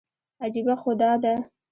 عجیبه خو دا ده.